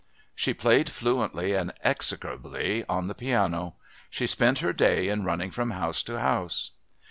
She played fluently and execrably on the piano. She spent her day in running from house to house.